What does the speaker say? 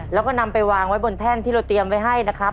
แล้วก็นำไปวางไว้บนแท่นที่เราเตรียมไว้ให้นะครับ